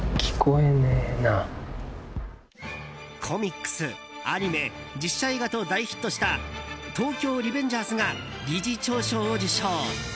コミックス、アニメ実写映画と大ヒットした「東京リベンジャーズ」が理事長賞を受賞。